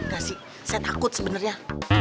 gak sih saya takut sebenarnya